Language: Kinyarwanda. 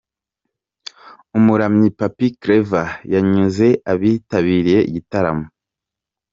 Umuramyi Pappy Clever yanyuze abitabiriye igitaramo.